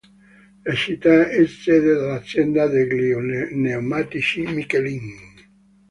La città è sede dell'azienda degli pneumatici Michelin.